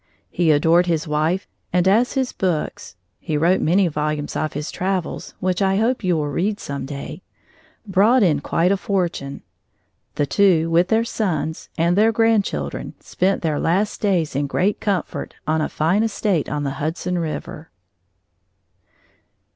He adored his wife, and as his books (he wrote many volumes of his travels, which I hope you will read some day) brought in quite a fortune, the two, with their sons, and their grandchildren, spent their last days in great comfort, on a fine estate on the Hudson River.